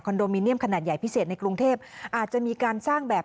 โมเนียมขนาดใหญ่พิเศษในกรุงเทพอาจจะมีการสร้างแบบ